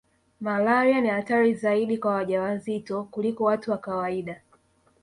Malaria ni hatari zaidi kwa wajawazito kuliko watu wa kawaida